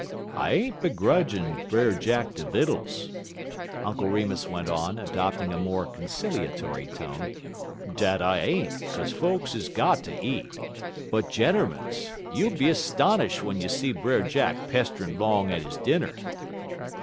I ain't begrudgin' Brer Jack de vittles," Uncle Remus went on, adopting a more conciliatory tone, "dat I ain't, 'kaze folks is got ter eat; but, gentermens! you be 'stonish' w'en you see Brer Jack 'pesterin' 'long er he dinner."